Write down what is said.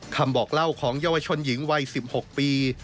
คำบอกเล่าของเยาวชนหญิงวัย๑๖ปี